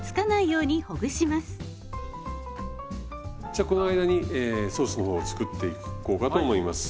じゃこの間にソースの方を作っていこうかと思います。